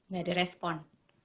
gak ada respon